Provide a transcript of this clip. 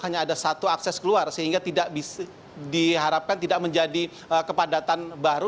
hanya ada satu akses keluar sehingga tidak diharapkan tidak menjadi kepadatan baru